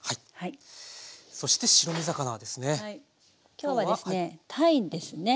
今日はですねたいですね。